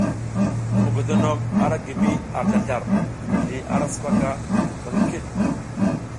Mogodonok a ra gi mi ar zlazlar, mizli ara sipaka ba ngi kiɗ.